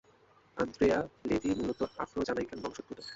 Andrea Levy মূলত Afro Jamaican বংশোদ্ভূত।